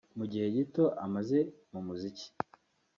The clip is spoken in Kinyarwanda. Mu gihe gito amaze mu muziki